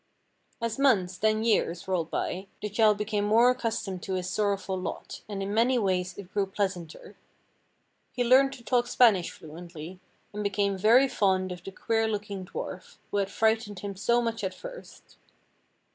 As months, then years, rolled by, the child became more accustomed to his sorrowful lot, and in many ways it grew pleasanter. He learned to talk Spanish fluently, and became very fond of the queer looking dwarf, who had frightened him so much at first.